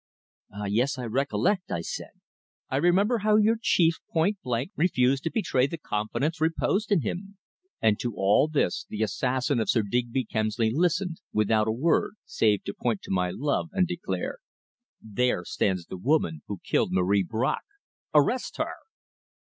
"Ah, yes, I recollect!" I said. "I remember how your chief point blank refused to betray the confidence reposed in him." And to all this the assassin of Sir Digby Kemsley listened without a word, save to point to my love, and declare: "There stands the woman who killed Marie Bracq. Arrest her!"